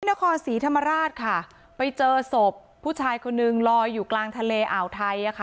นครศรีธรรมราชค่ะไปเจอศพผู้ชายคนนึงลอยอยู่กลางทะเลอ่าวไทยอ่ะค่ะ